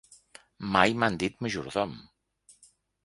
Mai m’han dit majordom.